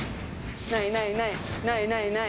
ないないない！